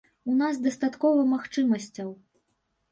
У нас дастаткова магчымасцяў.